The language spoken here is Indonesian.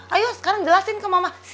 ayo sekarang jelasin ke mama siapa cewek tadi